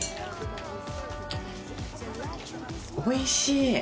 おいしい。